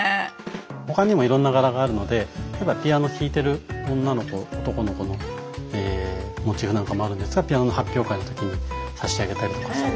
他にもいろんな柄があるのでピアノを弾いてる女の子男の子のモチーフなんかもあるんですがピアノの発表会の時に差し上げたりとかそういうことも。